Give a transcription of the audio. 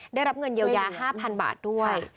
ได้รับเงินเยียวยา๕๐๐๐บาทด้วย